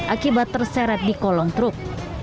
akibat terseret di kolong truk